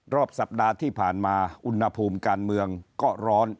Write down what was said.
รอบสัปดาห์ที่ผ่านมาอุณหภูมิการเมืองก็ร้อน